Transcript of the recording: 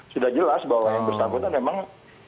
sudah jelas bahwa yang bersangkutan memang